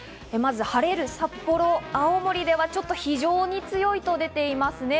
晴れる札幌、青森では、非常に強いと出ていますね。